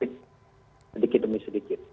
sedikit demi sedikit